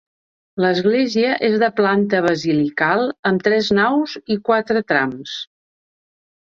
L'església és de planta basilical amb tres naus i quatre trams.